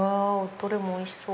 どれもおいしそう。